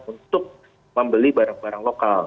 untuk membeli barang barang lokal